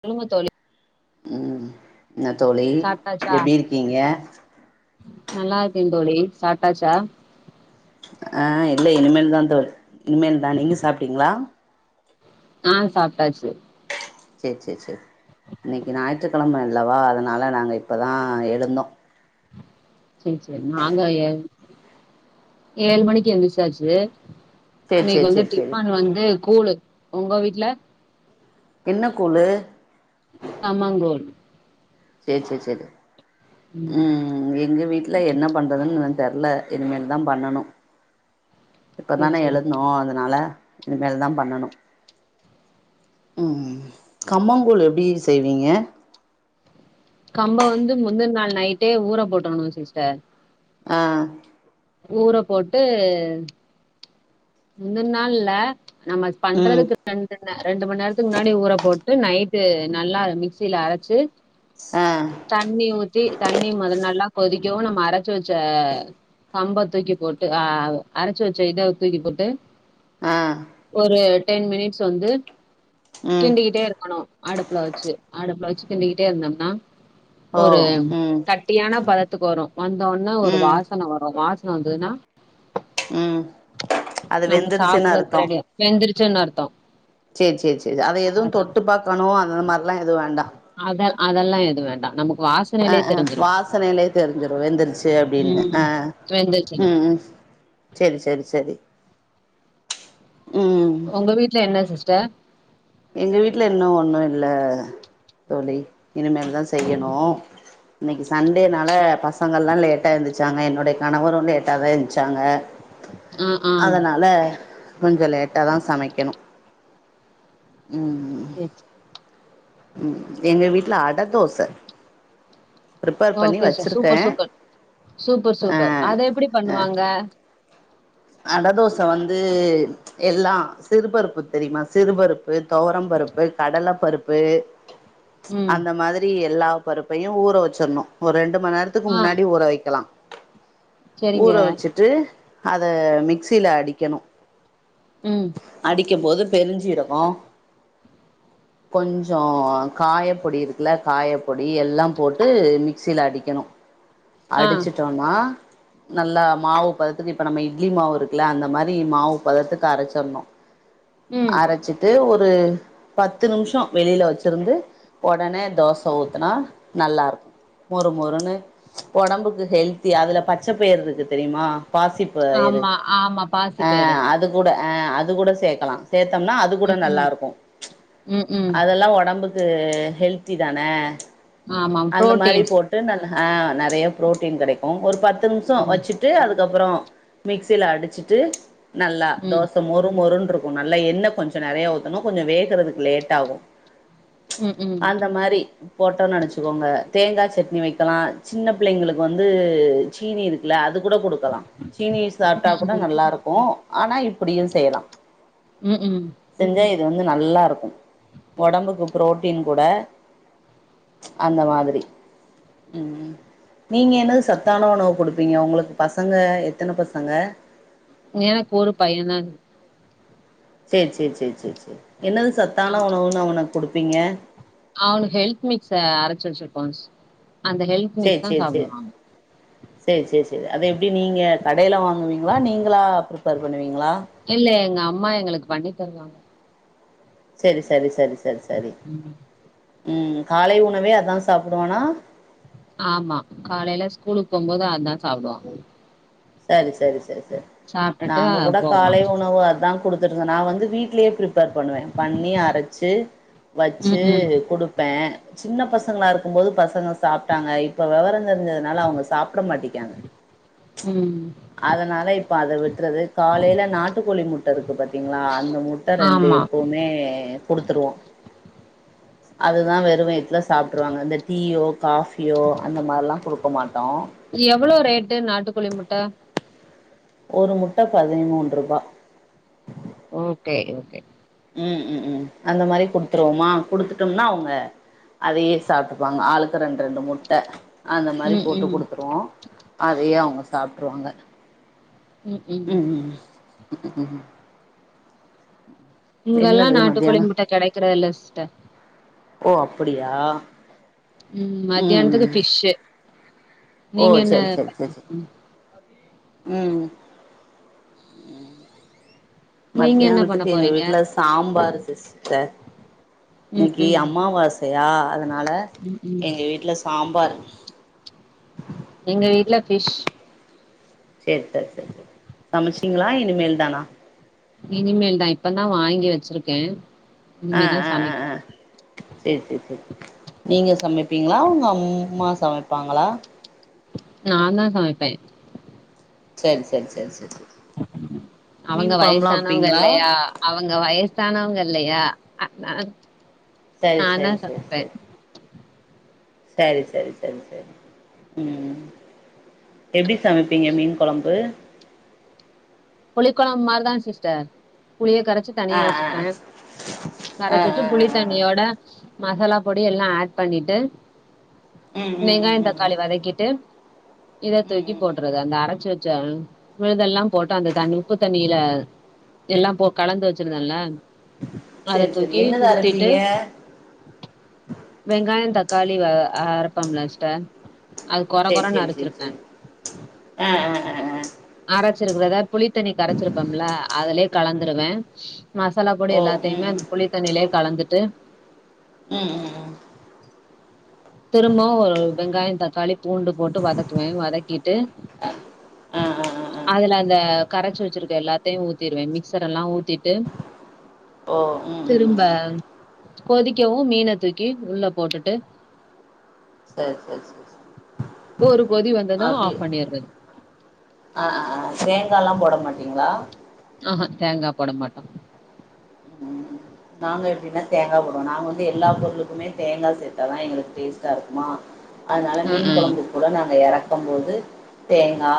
சொல்லுங்க தோழி ம் என்ன தோழி எப்டி இருக்கீங்க நல்லாருக்க தோழி சாப்ட்டாச்சா ஆ இல்ல இனிமேல் தா தோழி இனிமேல் தா நீங்க சாப்ட்டீங்களா ஆ சாப்ட்டாச்சு சேர் சேர் சேர் இன்னிக்கு ஞாயிற்றுக்கெழம இல்லவா அதனால நாங்க இப்பதா எழுந்தோ சேர் சேர் நாங்க ஏ ஏழ் மணிக்கு எந்துருச்சாச்சு சேர் இன்னிக்கு சேர் வந்து சேர் சேரி டிஃபன் வந்து கூழு உங்க வீட்ல என்ன கூழு கம்மங்கூழ் சேர் சேர் சேர் ம் எங்க வீட் ல என்ன பண்றதுன் இன்னு தெர்ல இனிமேல் தா பண்ணணு இப்ப சேரி தான சேரி எழுதுனோ அதனால இனிமேல்தா பண்ணணோ ம் கம்மங்கூழ் எப்டி செய்வீங்க கம்ப வந்து முந்துன் நாள் நைட்டே ஊற போட்டுன்னோ சிஸ்டர் ஆ ஊற போட்டு முந்துன் நாள் இல்ல நம்ம ம் பண்றதுக்கு [unintelligible] ரெண்டு மண் நேரத்துக்கு முன்னாடி ஊற போட்டு நைட்டு நல்லா மிக்சில அரச்சு அ தண்ணி ஊத்தி தண்ணி மொதல் நல்லா கொதிக்கவு நம்ம அரச்சு வச்ச கம்ப தூக்கி போட்டு ஆ அரச்சு வெச்ச இத தூக்கி போட்டு அ ஒரு டென் மினிட்ஸ் வந்து ம் கிண்டிகிட்டே இருக்கணு அடுப்புல வெச்சு அடுப்புல வச்சு கிண்டிக்கிட்டே இருந்தம்னா ஓ ஒரு ம் கட்டியான பதத்துக்கு வரு வந்தோன்னே ஒரு ம் வாசன வரு அந்த வாசன வந்துதுனா ம் அது நம்ம வெந்துருச்சுன்னு சாப்பர்றக்கு ரெடி வெந்துருச்சுன் அர்த்தோ சேர் சேர் சேர் அத எதுவு அதா தொட்டு பாக்கணு அந்த மார்லா எது வேண்டா அத அதெல்லா எதுவ் வேண்டா நமக்கு வா அ அ வாசனையிலே தெரிஞ்சிரு வெந்திருச்சி அப்டினு அ வெந்துர்ச்சினு ம் சேரி சேரி சேரி ம் உங்க வீட்ல என்ன சிஸ்டர் எங்க வீட்ல இன்னு ஒன்னு இல்ல தோழி இனிமேல்தா செய்யணு இன்னிக்கி சண்டேனால பசங் கலா லேட்டா எந்திர்ச்சாங்க என்னுடைய கணவரு லேட்டாதா எஞ்சாங்க ஆ ஆ அதனால கொஞ்சோ லேட்டாதா சமைக்கணு ம் சேர் சே ம் எங்க வீட்ல அட தோச ப்ரிப்பேர் பண்ணி ஓகே சிஸ்டர் வச்சிருக்கே சூப்பர் சூப்பர் சூப்பர் அ சூப்பர் அத எப்டி பண்ணுவாங்க அட தோச வந்து எல்லா சிறு பருப்பு தெரியுமா சிறு பருப்பு தொவரம் பருப்பு கடல பருப்பு ம். அந்த மாதிரி எல்லா பருப்பையு ஊற வச்சிறணு ஒரு ரெண்டு மண் நேர த்துக்கு ஆ முன்னாடி ஊற வைக்கலா சரிங்க. ஊற வெச்சுட்டு அத மிக்சியில அடிக்கணு ம் அடிக்கம்போது பெருஞ்ஜீரகோ கொஞ்சோ காயப்பொடி இருக்குல்ல காயப்பொடி எல்லாம் போட்டு மிக்சியில அடிக்கணு ஆ. அடிச்சிட்டோனா நல்லா மாவு பதத்துக்கு இப்ப நம்ம இட்லி மாவு இருக்குல அந்த மாரி மாவு பதத்துக்கு அரச்சர்ணு ம். அரச்சி ட்டு ஒரு பத்து நிமிஷோ வெளில வெச்சிருந்து ஒடனே தோச ஊத்துனா நல்லா இருக்கு மொறு மொறுன்னு ஒடம்புக்கு ஹெல்தியா அதுல பச்சைப்பயிரு இருக்கு தெரிமா பாசி பயிறு ஆமா, ஆமா. அ பாசிப்பயிறு. அது கூட அ அது கூட சேக்கலா சேத்தம்னா அ து கூட ம், நல்லா ம். இருக்கு ம், ம். அதெல்லா ஒடம்புக்கு ஹெல்த்தி தான ஆமா. அந்த மாரி புரோட்டீன்ஸ். போட் டு நல்லா ஆ நெறையா புரோட்டீன் கெடைக்கு ஒரு பத்து நிமிஷோ ம். வெச்சுட்டு அதுக்கப்றோ மிக்சியில அடிச்சிட்டு நல்லா ம். தோச மொறு மொறுன்ருக் கு நல்லா எண்ண கொஞ்சோ நெறைய ஊத்தனு கொஞ்ச வேகறதுக்கு லேட்டாகு ம், ம். அந்த மாரி போட்டோ நெனச்சிக்கோங்க தேங்கா சட்னி வைக்கலா சின்ன பிள்ளைங்களுக்கு வந்து சீனி இருக்குல அது கூட குடுக்கலா சீனி சாப்டா ம், கூட ம். நல்லா இருக்கோ ஆனா இப்புடியு செய்யலா உம் க்கு செஞ்சா இது வந்து நல்லா இருக்கோ ஒடம்புக்கு புரோட்டீன் கூட அந்த மாதிரி நீங்க என்னது சத்தான உணவு குடுப்பீங்க உங்குளுக்கு பசங்க எத்தன பசங்க எனக்கு ஒரு பைய தா இருக் சேர் சேர் சேர் சேர் சேர் என்னது அ சத்தான உணவுன்னு அவனுக்கு குடுப்பீங்க அவனுக்கு ஹெல்த் மிக்ஸ அரைச்சு வெச்சிருப்போ அந்த ஹெல்த் மிக்ஸ் சேர் தான் சேர் சேர் சாப்பிடுவான். சேர் சேர் சேர் அத எப்டி நீங்க கடையில வாங்குவீங்களா நீங்களா பிரிப்பேர் பண்ணுவீங்களா இல்ல எங்க அம்மா எங்குளுக்கு பண்ணி தருவாங்க செரி செரி செரி செரி செரி ம். ம் காலை உணவே அதா சாப்புடுவானா ஆமா காலையில ஸ்கூலுக்கு போம்போது அதா சாப்புடுவா சரி சரி சரி சரி சாப்பிட்டுட்டு நாங்க கூட போவான். காலை உணவு அதா குடுத்துட்றுந்தோ நா வந்து வீட்லயே பிரப் பேர் பண்ணுவே பண்ணி அரச்சி வெச்சி ம்ஹ்ம். குடுப்பே சின்ன பசங்களா இருக்கும்போது பசங்க சாப்டாங்க இப்ப வெவரம் தெரிஞ்சதுனால அவங்க சாப்ட மாட்டேங்கிறாங்க உம் அதனால இப்ப அத விட்டுறது காலையில நாட்டுக்கோழி முட்ட இருக்கு பாத்தீங்களா அந்த மு ட்ட ரெண்டு ஆமா. எப்பவுமே குடுத்துருவோ அதுதா வெறும் வயித்துல சாப்டுவாங்க இந்த டீயோ காஃபியோ அந்த மாறிலா குடுக்க மாட்டோ எவ்ளோ ரேட்டு நாட்டுக்கோழி முட்ட ஒரு முட்ட பதின்மூன்ருபா ஓகே ஓகே உம் உம் அந்த மாறி குடுத்துருவோமா குடுத்துட்டோம்னா அவுங்க அதயே சாப்டுப்பாங்க ஆளுக்கு ரெண்டு ரெண்டு முட்ட அந்த மாறி ம், போட்டு ம். குடுத்துருவோ அதயே அவுங்க சாப்ட்ருவாங்க ம் ம் ம் ம் க்கு உ இங்கலா என்னது நாட்டு கோழி மத்தியானோ முட்ட கெடைக்குறதுல்ல சிஸ்டர் ஓ அப்புடியா ம் மத்தியானத்துக்கு ஃப்ஷு ஓ நீங்க என்ன சரி சரி சரி ம் நீங்க என்ன பண்ண மத்தியானத்துக்கு எங்க போறீங்க? வீட்ல சாம்பாரு சிஸ்டர் ம், இன்னிக்கி ம். அம்மாவாசையா அதுனால ம், ம். எங்க வீட்ல சாம்பார் எங்க வீட்ல ஃபிஷ் செர் செர் செர் செர் சமைச்சிட்டீங்ளா இனிமேல் தானா இனிமேல் தா இப்ப தா வாங்கி வெச்சுருக்கே இனிமே தா சமைக்கனோ செர் செர் செர் நீங்க சமைப்பீங்களா உங்க அம்மா சமைப்பாங்களா நா தா சமைப்பே செர் செர் செர் செர் அவங்க வயசானவங்கல்லயா அவங்க வயசானவங்கல்லயா ஆ நா சேரி நானா சேரி சமைப்பே சரி சரி சரி சரி ம் எப்டி சமைப்பீங்க மீன் கொழம்பு புளி கொழம்பு மாரி தா சிஸ்டர் புளிய கரைச்சு ஆ தனியா ஆ வச்சுப்ப ஆ கரைச்சு வச்சு ஆ புளி ஆ தன் ஆ ணியோட மசால பொடி எல்லா ஆட் பண்ணிட்டு ம் ம் ம் வெங்காய தக் ம் தக்காளி வதக்கிட்டு இத ம் ம் தூக்கி ம் ம் போட்றது அந்த அரச்சு வச்ச விழுதெல்லா போட் டு அந்த தண்ணி உப்பு தண்ணில எல்லா போ கலந்து வச்சுருந்தல அத சேரி சேரி தூக்கி என்னது ஊத்திட்டு அரப்பீங்க வெங்காய தக்காளி வ அரப்போம்ல சிஸ்டர் அது கொர கொரனு அரச்சிருப்ப அ அ அ அ அரைச்சுருக்கிறத புளித்தண்ணி கரச்சுருகம்ல அதுலயே கலந்துருவ மசாலா பொடி ஓ ம் எல்லாத்தையுமே ம் அந்த புளித்தண்ணிலயே கலந்துட்டு ம் ம் ம் திரும்பவு ஒரு வெங்காய தக்காளி பூண்டு போட்டு வதக்குவ வதக்கிட்டு ஆ ஆ ஆ ஆ அதுல அந்த கரைச்சு வச்சுருக்க எல்லாத்தையு ஊத்திருவ மிக்ஸர் எல்லா ஊத்தி ட்டு ஓ ம் ம் திரும்ப ம் ம் கொதிக்கவு மீன தூக்கி உள்ள போட்டுட்டு சர் சர் சர் ஒரு கொதி வந்தது ஆஃப் பண்ணிறது ஆ ஆ தேங்கா லா போட மாட்டீங்ளா ஆஹா தேங்கா போட மாட்டோ ம் நாங்க எப்டினா தேங்கா போடுவோ நாங்க வந்து எல்லா பொருளுக்குமே தேங்கா சேத்தா தா எங்களுக்கு டேஸ்டா இருக்குமா அதுனால ம் மீன் ம் கொழம்பு கூட நாங்க எறக்கும் போது தேங்கா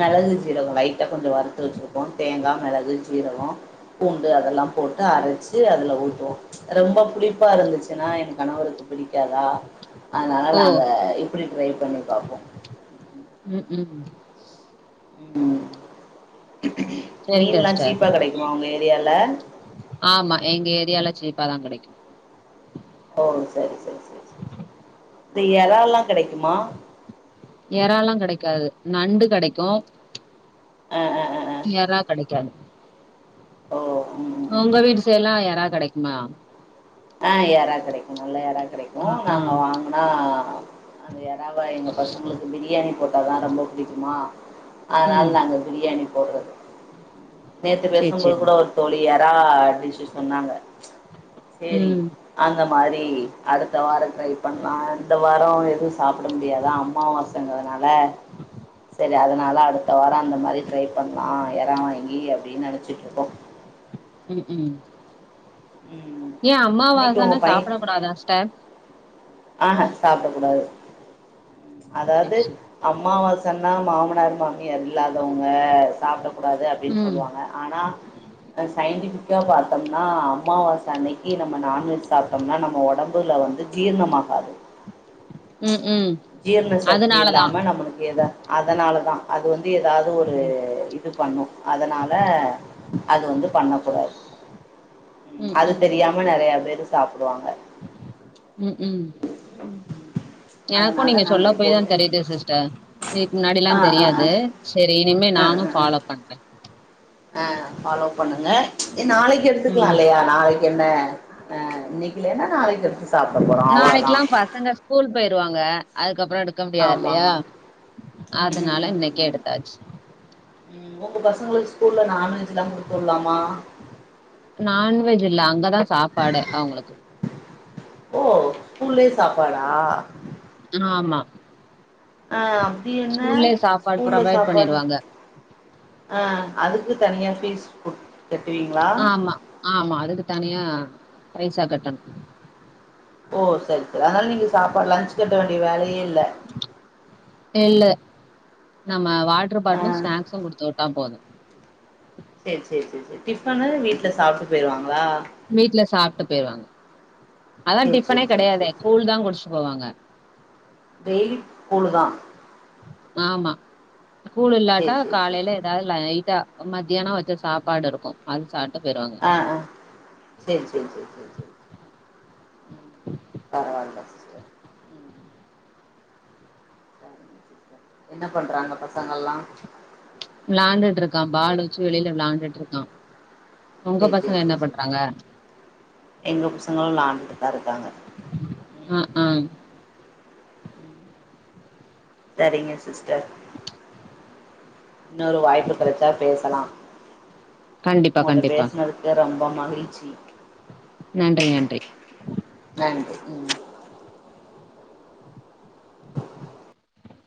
மெளகு சீரகோ லைட்டா கொஞ்ச வறுத்து வச்சுருப்போ தேங்கா மெளகு சீரகோ பூண்டு அதெல்லாம் போட்டு அரைச்சு அதுல ஊத்துவோ ரொம்ப புளிப்பா இருந்துச்சுனா என் கணவருக்கு புடிக் காதா அதுனால ஓ நாங்க இப்டி ட்ரை பண்ணி பாப்போ ம் ம் ம் சரிங்க மீன் லா சிஸ்டர் சீப்பா கெடைக்குமா உங்க ஏரியால ஆமா எங்க ஏரியால சீப்பாதா கெடைக்கு ஓ சரி சரி ச இந்த எறால்லா கெடைக்குமா எறாலா கெடைக்காது நண்டு கெடைக்கு அ அ அ எறா கெடைக்காது ஓ ம் ம் ம் உங்க ம் வீட்டு சைட்ல்லா எறா கெடைக்குமா ஆ எறா கெடைக்கு நல்ல ஏறா கெடைக்கு ஆ ஆ நாங்க வாங் ஆ அது எறாவ எங்க பசங்களுக்கு பிரியாணி போட்டாதா ரொம்ப பிடிக்குமா அதனால ம் நாங்க பிரியாணி போடுறது நேத்து சேரி பேசும்போது சேரி கூட ஒரு தோழி எறா டிஷ்ஷு சொன்னாங்க செரி ம் அந்த மாரி அடுத்த வாரோ ட்ரை பண்லா இந்த வாரோ எது சாப்பிட முடியாது அம்மாவாச ன்றதுனால செரி அதனால் அடுத்த வாரோ அந்த மாதிரி ட்ரை பண்லா எறா வாங்கி அப்டின் நெனச்சிட்ருக்கோ ம் ம் ம் ஏ இன்னைக்கு உங்க அம்மாவாசனா சாப்புட கூடாதா ஸ்டர் ஆஹா சாப்டக் கூடாது சேர் அதாவ்து சேர் அமாவாசன்னா மாமனார் மாமியார் இல்லாதவங்க சாப்ட கூடாது அப்டின்னு ம் சொல்லுவாங்க ஆனா அ சயின்டிஃபிக்கா பாத்தோம்னா அம்மாவாச அன்னைக்கு நம்ம நான்வெஜ் சாப் டம்னா நம்ம ஒடம்புல வந்து ஜீர்ணமாகாது ம் ம் ஜீரண சக்தி அதனாலதா இல்லாம நம்மளுக்கு எத அதனாலதா அது வந்து எதாவ்து ஒரு ம் த்து பண்ணு அதனால அது வந்து பண்ணக்கூடாது ம் அது ம் தெரியாம நறைய பேரு சாப்டுவாங்க ம் ம் எனக்கு அதனால நீங்க நாங்க சொல்ல போய்தா எப்பவுமே தெரியுது சிஸ்டர் இதுக்கு முன்னாடி எல்லா ஆ ஆ ஆ தெரியாது செரி இனிமே ஆ நானு ஆ ஃபாலோ பண்றே ஆ பாலோ பண்ணுங்க நாளைக் எடுத்துக்லா ம் இல்லையா நாளைக் என்ன அ இன்னைக்கில்லேனா நாளைக் எடுத்து சாப்ட போறோ அவ்வளோதா நாளைக்குலா பசங்க ஸ்கூல் போயிருவாங்க அதுக்கப்புறோ எடுக்க முடியா ஆமா இல்லையா ஆமா ம் ம் அதனால ம் இன்னைக்கே ம் எடுத் தாச்சு ம் உங்க பசங்களுக் ஸ்கூல்ல நான்வெஜ்லா குடுத்து உட்லாமா நான்வெஜ் இல்ல அங்கதா சாப்பாடே அவங்களுக்கு ஓ ஸ்கூல்லே சாப்பாடா ஆமா அ அப்டி என்ன ஸ்கூல்லயே சாப்பாடு ஸ்கூல்ல ப்ரொவைட் சாப்பாடு பண்ணிருவாங்க ஆ அதுக்கு தனியா ஃபீஸ் குடு ஆமா ஆமா அதுக்கு தனியா பைசா கட்டணு ஓ சரி சரி அதனால நீங்க சாப்பாடு லன்ச் கட்ட வேண்டிய வேலையே இல்ல இல்லு நம்ம வாட்டர் ஆ பாட்லு ஸ்நாக்ஸு குடுத்து வுட்டா போது சேரி சேரி செரி செரி டிஃபனு வீட்ல சாப்டு போயிருவாங்களா வீட்ல சாப்ட்டு போயிருவாங்க அதா சரி டிஃபனே சரி சரி கெடையாதே சரி சரி கூழ் தா குடிச்சு போவாங்க டெய்லி கூழுதா ஆமா கூழ் சரி இல்லாட்டா சரி சரி காலையில சரி ஏதா ல லைட்டா மத்தியானொ வொச்ச சாப்பாடு இருக்கு அது சாப்டு போய்டுவாங்க ஆ ஆ சேரி சேரி செரி செரி செரி அ [unintelligible] சரிங்க சிஸ்டர் என்ன பண்றாங்க பசங்கல்லா விளாண்டுட்டு இருக்கா பால் வச்சு வெளில விளாண்டுட்ருக்கா சரி சரி சரி சரி எங்க பசங்களு விளாண்டுட்டு தா இருக்காங்க அ ம் ஆ சரிங்க சிஸ்டர் இன்னொரு வாய்ப்பு கெடச்சா பேசலா கண்டிப்பா உங்கட்ட கண்டிப்பா பேசுனதுக்கு ரொம்ப மகிழ்ச்சி நன்றி நன்றி நன்றி ம்